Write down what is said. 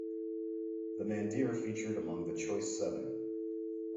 The Mandir featured among the choice seven.